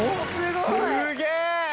すげえ！